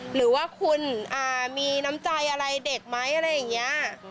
หรือว่าคุณมีน้ำใจอะไรเด็กไหมอะไรอย่างนี้